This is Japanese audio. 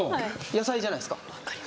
野菜じゃないっすか。